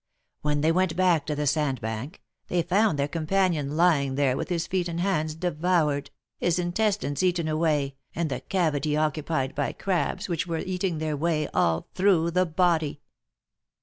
When they went back to the sand bank, they found their companion lying there with his feet and hands devoured, his intestines eaten away, and the cavity occupied by crabs, which were eating their way all through the body."